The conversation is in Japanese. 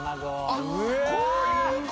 あっこういう事！